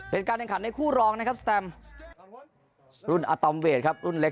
เป็นการแข่งขันในคู่รองนะครับสแตมรุ่นอาตอมเวทครับรุ่นเล็ก